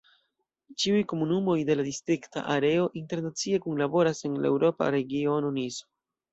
Ĉiuj komunumoj de la distrikta areo internacie kunlaboras en la eŭropa regiono Niso.